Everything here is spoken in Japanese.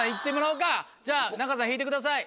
じゃあ仲さん引いてください。